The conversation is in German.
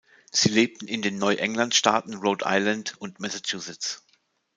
Sie lebten in den Neuengland-Staaten Rhode Island und Massachusetts.